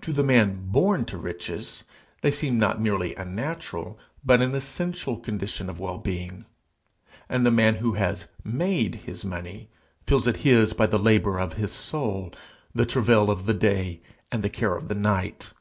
To the man born to riches they seem not merely a natural, but an essential condition of well being; and the man who has made his money, feels it his by the labour of his soul, the travail of the day, and the care of the night.